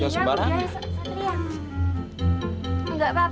satria udah udah